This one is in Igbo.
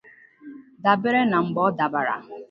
dàbere na mgbe ọ dabàrà.